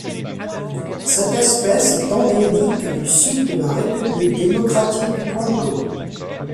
Cette espèce est endémique du sud de la République démocratique du Congo.